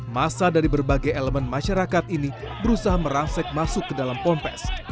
masa dari berbagai elemen masyarakat ini berusaha merangsek masuk ke dalam pompes